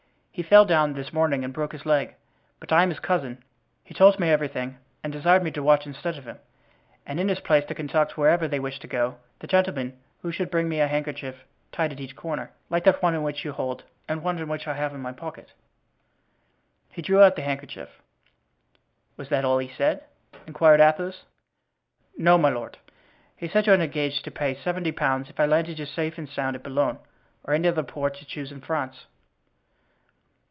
He fell down this morning and broke his leg. But I'm his cousin; he told me everything and desired me to watch instead of him, and in his place to conduct, wherever they wished to go, the gentlemen who should bring me a handkerchief tied at each corner, like that one which you hold and one which I have in my pocket." And he drew out the handkerchief. "Was that all he said?" inquired Athos. "No, my lord; he said you had engaged to pay seventy pounds if I landed you safe and sound at Boulogne or any other port you choose in France."